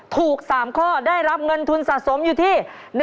ถูก๓ข้อได้รับเงินทุนสะสมอยู่ที่